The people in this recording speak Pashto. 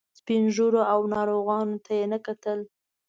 سپین ږیرو او ناروغانو ته یې نه کتل.